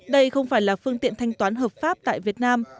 đây không phải là phương tiện thanh toán hợp pháp tại việt nam